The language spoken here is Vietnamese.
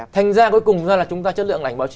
thành ra cuối cùng ra là chúng ta chất lượng ảnh báo chí